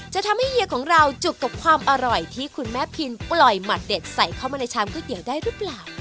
จะทำให้เฮียของเราจุกกับความอร่อยที่คุณแม่พินปล่อยหมัดเด็ดใส่เข้ามาในชามก๋วยเตี๋ยวได้หรือเปล่า